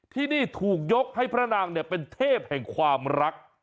ที่นี่ถูกยกให้พระนางเป็นเทพแห่งความรัก